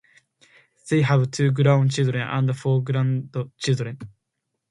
They have two grown children and four grandchildren.